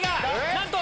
なんと！